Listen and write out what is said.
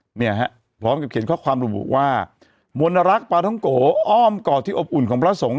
เนี่ยฮะพร้อมกับเขียนข้อความระบุว่ามนรักษ์ปลาท้องโกอ้อมกอดที่อบอุ่นของพระสงฆ์